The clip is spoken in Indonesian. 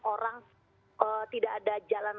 orang tidak ada jalan